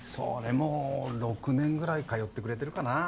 もう６年ぐらい通ってくれてるかなあ